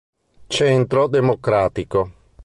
Centro Democratico